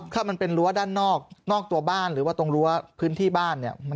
ถ้ามันเป็นรั้วด้านนอกนอกตัวบ้านหรือว่าตรงรั้วพื้นที่บ้านเนี่ย